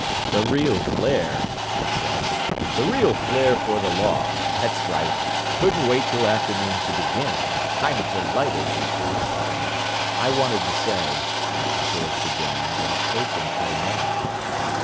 "The real flare!" he said. "The real flare for the law. That's right! Couldn't wait till afternoon to begin! I'm delighted that you—" "I wanted to say—" George began, but his patron cut him off.